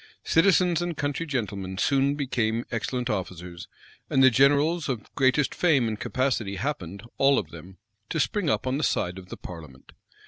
Citizens and country gentlemen soon became excellent officers; and the generals of greatest fame and capacity happened, all of them, to spring up on the side of the parliament.